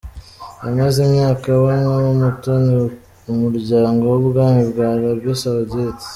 Yamaze imyaka abonwa nk'umutoni mu muryango w'ubwami bwa Arabie Saoudite.